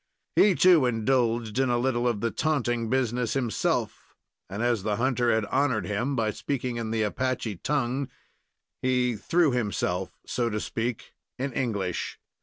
He, too, indulged in a little of the taunting business himself; and, as the hunter had honored him by speaking in the Apache language, he "threw himself," so to speak, in English.